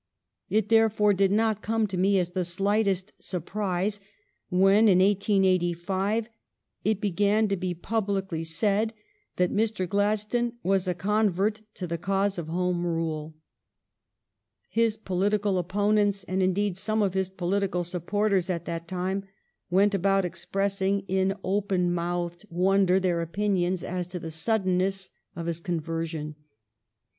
It therefore did not come on me as the slightest surprise when, in 1885, it began to be publicly said that Mr. Gladstone was a convert to the cause of Home Rule. His political opponents, and, indeed, some of his political supporters at that time, went about expressing in open mouthed wonder their opinions as to the suddenness of his conversion.